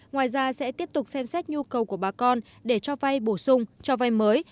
ngoài ra sẽ tiếp tục xem xét nhu cầu của bà con để cho vay bổ sung cho vay mới